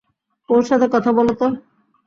ওর সাথে কথা বলো তো!